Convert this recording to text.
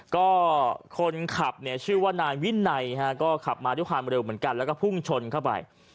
ก็คนขับเนี่ยชื่อว่านายวินัยฮะก็ขับมาด้วยความเร็วเหมือนกันแล้วก็พุ่งชนเข้าไป